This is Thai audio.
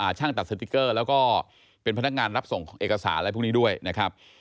ช่างตัดสติ๊กเกอร์แล้วก็เป็นพนักงานรับส่งของเอกสารอะไรพวกนี้ด้วยนะครับ